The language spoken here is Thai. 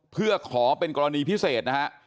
เพื่อขอเป็นกรณีพิเศษนะฮะ